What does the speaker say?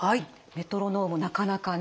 メトロノームなかなかね